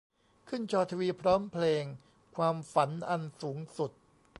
ขึ้นจอทีวีพร้อมเพลง "ความฝันอันสูงสุด"